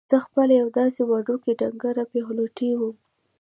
زه خپله یوه داسې وړوکې ډنګره پېغلوټې وم.